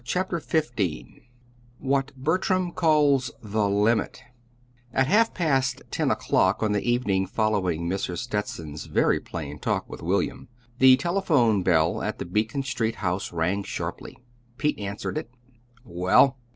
CHAPTER XV WHAT BERTRAM CALLS "THE LIMIT" At half past ten o'clock on the evening following Mrs. Stetson's very plain talk with William, the telephone bell at the Beacon Street house rang sharply. Pete answered it. "Well?"